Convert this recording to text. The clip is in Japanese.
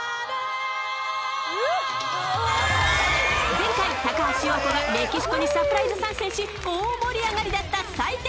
前回、高橋洋子がメキシコにサプライズ参戦し大盛り上がりだった採点